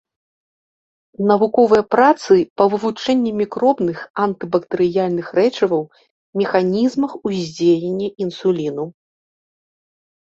Навуковыя працы па вывучэнні мікробных антыбактэрыяльных рэчываў, механізмах уздзеяння інсуліну.